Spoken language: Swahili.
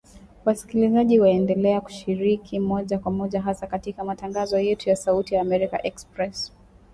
Wasikilizaji waendelea kushiriki moja kwa moja hasa katika matangazo yetu ya Sauti ya Amerika Express